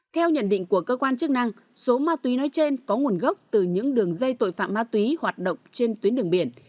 theo nhận định của cơ quan chức năng số ma túy nói trên có nguồn gốc từ những đường dây tội phạm ma túy hoạt động trên tuyến đường biển